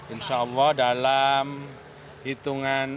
insya allah dalam hitungan